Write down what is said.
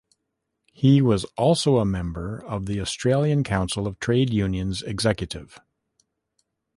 He was also a member of the Australian Council of Trade Unions executive.